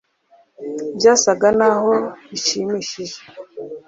Byasaga naho bishimishije